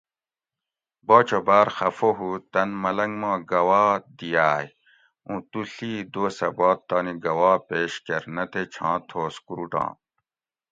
باچہ باۤر خفہ ہُو تن ملنگ ما گواہ دِیاۤئ اُوں تُو ڷی دوسہۤ باد تانی گواہ پیش کر نہ تے چھاں تھوس کُروٹاں